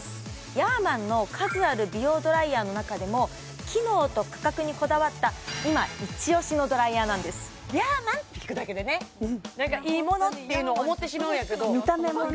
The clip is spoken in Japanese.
ヤーマンの数ある美容ドライヤーの中でも機能と価格にこだわった今イチオシのドライヤーなんですヤーマンって聞くだけでねなんかいいものって思ってしまうんやけど見た目もね